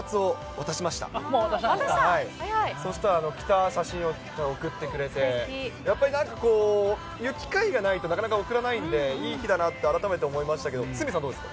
そしたら着た写真を送ってくれて、やっぱり、こういう機会がないとなかなか贈らないんで、いい日だなって改めて思いましたけれども、鷲見さん、どうですか。